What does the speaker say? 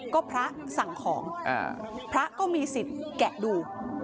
ก็พระสั่งของพระก็มีสิทธิ์แกะดู